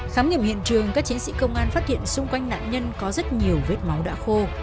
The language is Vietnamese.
khám nghiệm hiện trường các chiến sĩ công an phát hiện xung quanh nạn nhân có rất nhiều vết máu đã khô